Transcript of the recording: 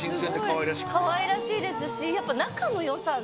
かわいらしいですしやっぱ仲の良さが。